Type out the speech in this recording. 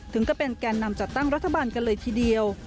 ก็เป็นแก่นำจัดตั้งรัฐบาลกันเลยทีเดียว